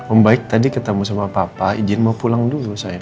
om baik tadi ketemu sama papa izin mau pulang dulu saya